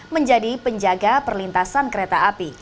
menjadi penjaga perlintasan kereta api